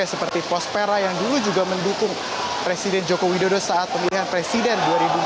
seperti pospera yang dulu juga mendukung presiden joko widodo saat pemilihan presiden dua ribu empat belas